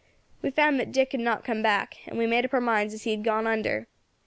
We found that Dick had not come back, and we made up our minds as he had gone under.